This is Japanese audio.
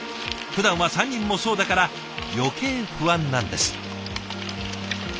ふだんは３人もそうだから余計不安なんです。